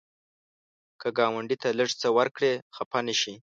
که ګاونډي ته لږ څه ورکړې، خفه نشي